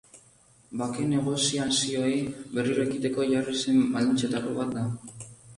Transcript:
Bake negoziazioei berriro ekiteko jarri zen baldintzetako bat da.